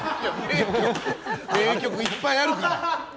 名曲いっぱいあるから。